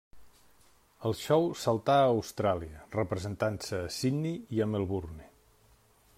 El show saltà a Austràlia, representant-se a Sydney i a Melbourne.